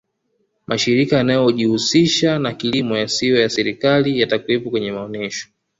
mashirika yanayojihusisha na kilimo yasiyo ya serikali yatakuwepo kwenye maonesho